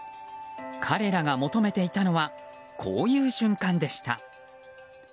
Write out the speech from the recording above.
彼らが求めていたのはこういう瞬間でした。